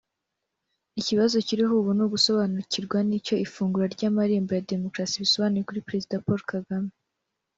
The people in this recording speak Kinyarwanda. Ikibazo kiriho ubu ni ugusobanukirwa n’icyo ifungura ry’amarembo ya demokarasi bisobanuye kuri Perezida Paul Kagame